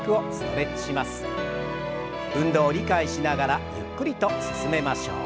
運動を理解しながらゆっくりと進めましょう。